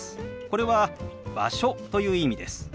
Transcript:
これは「場所」という意味です。